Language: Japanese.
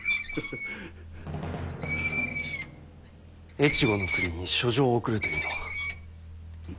越後国に書状を送るというのは？